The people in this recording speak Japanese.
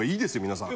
皆さん。